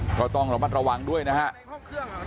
ก็ต้องระวังด้วยนะครับ